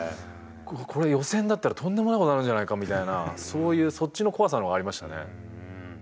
これ予選だったらとんでもない事になるんじゃないかみたいなそっちの怖さの方がありましたね。